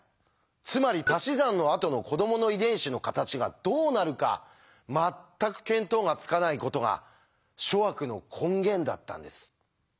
つまりたし算のあとの“子ども”の遺伝子の形がどうなるか全く見当がつかないことが諸悪の根源だったんです。